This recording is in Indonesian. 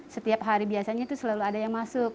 setiap hari biasanya itu selalu ada yang masuk